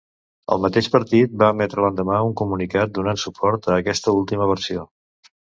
El mateix partit va emetre l'endemà un comunicat donant suport a aquesta última versió.